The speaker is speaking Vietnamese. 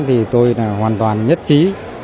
thì tôi là hoàn toàn nhất trí